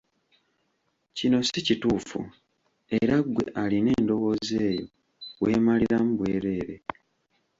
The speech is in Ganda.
Kino si kituufu era ggwe alina endowooza eyo weemaliramu bwereere.